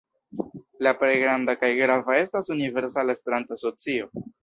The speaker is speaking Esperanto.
La plej granda kaj grava estas Universala Esperanto-Asocio.